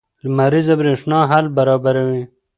لمریزه برېښنا حل برابروي.